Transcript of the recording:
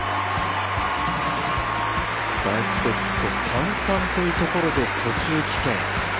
第１セット３−３というところで途中棄権。